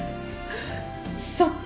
そっか。